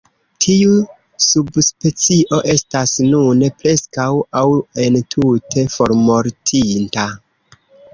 Tiu subspecio estas nune "preskaŭ aŭ entute formortinta".